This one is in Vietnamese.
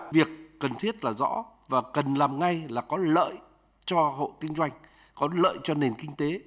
việc cần thiết là rõ và cần làm ngay là có lợi cho hộ kinh doanh có lợi cho nền kinh tế